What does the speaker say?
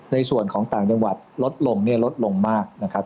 ในส่วนของต่างจังหวัดลดลงเนี่ยลดลงมากนะครับ